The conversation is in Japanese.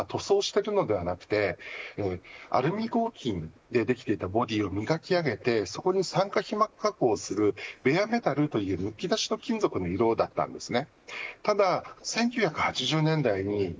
このシルバー色というのは実は塗装しているのではなくてアルミ合金でできていたボディを磨き上げてそこに酸化皮膜加工をするベアメタルというむき出しの金属の色だったんですね。